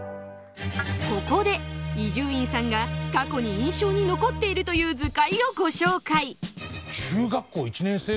ここで伊集院さんが過去に印象に残っているという図解をご紹介